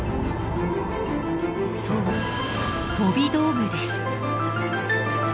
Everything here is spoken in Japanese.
そう飛び道具です。